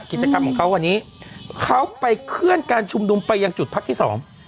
กิจกรรมของเขาวันนี้เขาไปเคลื่อนการชุมนุมไปยังจุดพักที่สอง